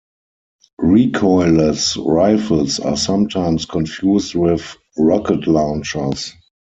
Recoilless rifles are sometimes confused with rocket launchers.